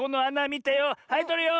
はいとるよ。